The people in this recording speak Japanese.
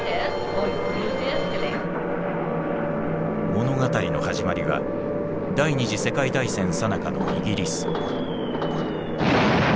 物語の始まりは第２次世界大戦さなかのイギリス。